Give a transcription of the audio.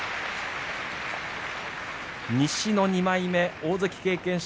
西の２枚目大関経験者